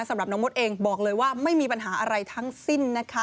สำหรับน้องมดเองบอกเลยว่าไม่มีปัญหาอะไรทั้งสิ้นนะคะ